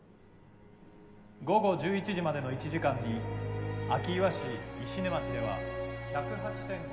「午後１１時までの１時間に明岩市石音町では１０８．５ミリの」。